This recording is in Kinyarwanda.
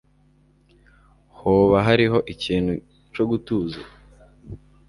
hoba hariho ikintu co gutuza